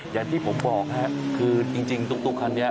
อย่างที่ผมบอกครับคือจริงตุ๊กคันนี้